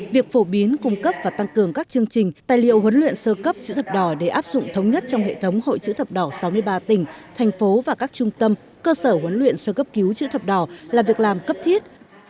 việc phổ biến cung cấp và tăng cường các chương trình tài liệu huấn luyện sơ cấp chữ thập đỏ để áp dụng thống nhất trong hệ thống hội chữ thập đỏ sáu mươi ba tỉnh thành phố và các trung tâm cơ sở huấn luyện sơ cấp cứu chữ thập đỏ là việc làm cấp thiết